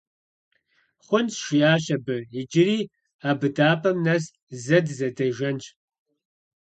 - Хъунщ, - жиӀащ абы, - иджыри а быдапӀэм нэс зэ дызэдэжэнщ!